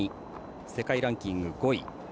世界ランキング５位。